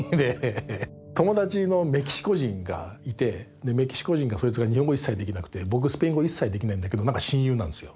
友達のメキシコ人がいてでメキシコ人がそいつが日本語一切できなくて僕スペイン語一切できないんだけど何か親友なんですよ。